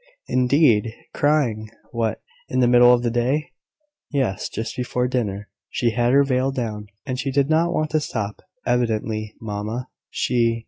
"Indeed! Crying! What, in the middle of the day?" "Yes; just before dinner. She had her veil down, and she did not want to stop, evidently, mamma. She